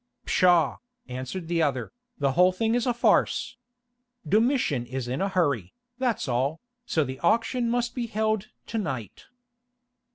"Pshaw," answered the other, "the whole thing is a farce. Domitian is in a hurry, that's all, so the auction must be held to night."